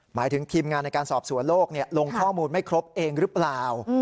หมายถึงทีมงานในการสอบสวนโลกลงข้อมูลไม่ครบเองหรือเปล่า